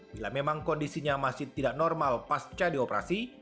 bila memang kondisinya masih tidak normal pasca dioperasi